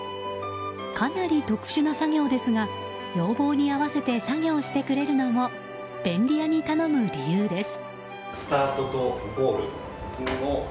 かなり特殊な作業ですが要望に合わせて作業してくれるのも便利屋に頼む理由です。